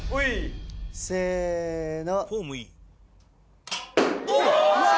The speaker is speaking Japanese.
せの！